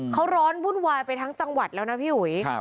เขาร้อนวุ่นวายไปทั้งจังหวัดแล้วนะพี่อุ๋ย